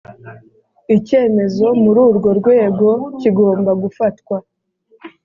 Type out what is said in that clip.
icyemezo muri urwo rwego kigomba gufatwa